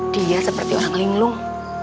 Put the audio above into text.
dia seperti orang linglung